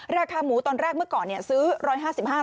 ราคาหมูตอนแรกเมื่อก่อนซื้อ๑๕๕บาท